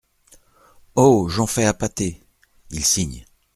Oh ! j'ons fait un pâté … il signe.